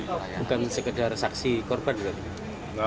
bukan sekedar saksi korban